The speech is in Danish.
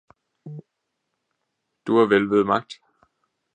Du er vel ved Magt!